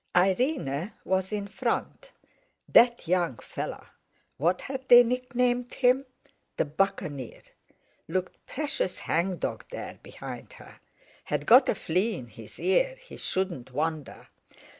Irene was in front; that young fellow—what had they nicknamed him—"The Buccaneer?" looked precious hangdog there behind her; had got a flea in his ear, he shouldn't wonder.